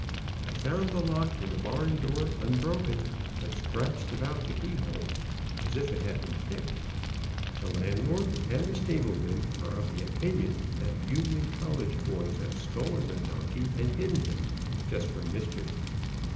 I found the lock in the barn door unbroken, but scratched about the keyhole, as if it had been picked. The landlord and the stableman are of the opinion that Union College boys have stolen the donkey and hidden him, just for mischief.